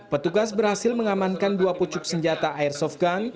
petugas berhasil mengamankan dua pucuk senjata airsoft gun